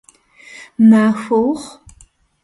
Махуэ ухъу!